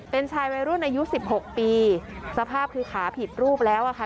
เป็นชายวัยรุ่นอายุสิบหกปีสภาพคือขาผิดรูปแล้วอะค่ะ